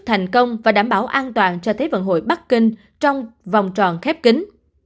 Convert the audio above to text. thành công và đảm bảo an toàn cho thế vận hội bắc kinh trong vòng tròn khép kính